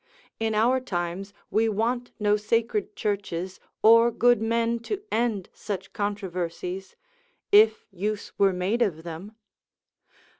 In our times we want no sacred churches, or good men to end such controversies, if use were made, of them.